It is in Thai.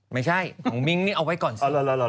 ไม่ใช่ของมิ้งนี่เอาไว้ก่อน